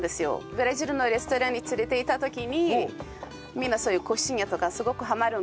ブラジルのレストランに連れて行った時にみんなそういうコシーニャとかすごくハマるんですよ。